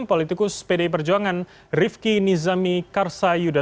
politikus pdi perjuangan rifki nizami karsayuda